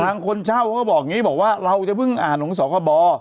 คนเช่าเขาก็บอกอย่างนี้บอกว่าเราจะเพิ่งอ่านของสคบ